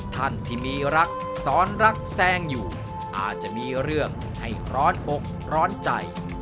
ท่านที่มีรักซ้อนรักแซงอยู่อาจจะมีเรื่องให้ร้อนอกร้อนใจ